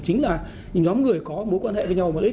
chính là nhóm người có mối quan hệ với nhau blin